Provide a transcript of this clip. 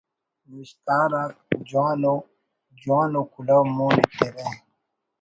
نوشتکار آک جوان ءُ جوان ءُ کلہو مون ایترہ